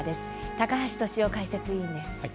高橋俊雄解説委員です。